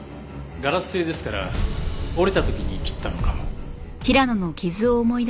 ガラス製ですから折れた時に切ったのかも。